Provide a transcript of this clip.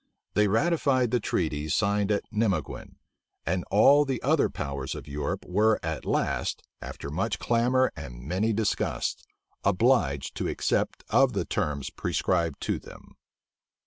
They ratified the treaty signed at Nimeguen; and all the other powers of Europe were at last, after much clamor and many disgusts, obliged to accept of the terms prescribed to them.